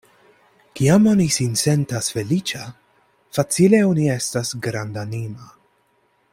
Kiam oni sin sentas feliĉa, facile oni estas grandanima.